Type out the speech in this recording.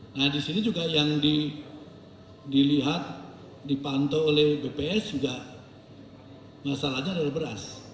nah di sini juga yang dilihat dipantau oleh bps juga masalahnya adalah beras